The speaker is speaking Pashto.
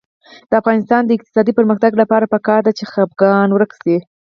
د افغانستان د اقتصادي پرمختګ لپاره پکار ده چې خپګان ورک شي.